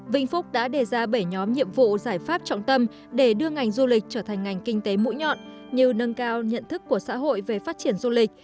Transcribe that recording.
vĩnh phúc đã đề ra bảy nhóm nhiệm vụ giải pháp trọng tâm để đưa ngành du lịch trở thành ngành kinh tế mũi nhọn như nâng cao nhận thức của xã hội về phát triển du lịch